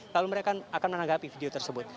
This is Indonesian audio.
lalu mereka akan menanggapi video tersebut